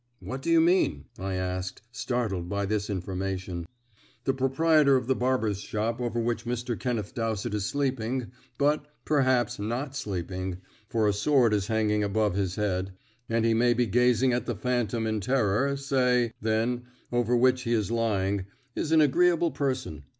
"What do you mean?" I asked, startled by this information. "The proprietor of the barber's shop over which Mr. Kenneth Dowsett is sleeping but, perhaps, not sleeping, for a sword is hanging above his head, and he may be gazing at the phantom in terror say, then, over which he is lying, is an agreeable person.